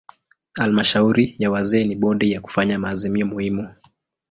Halmashauri ya wazee ni bodi ya kufanya maazimio muhimu.